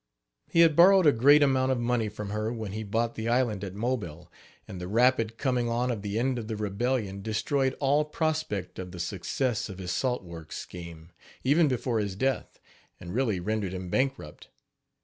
He had borrowed a great amount of money from her when he bought the island at Mobile; and the rapid coming on of the end of the rebellion destroyed all prospect of the success of his salt works scheme, even before his death, and really rendered him bankrupt.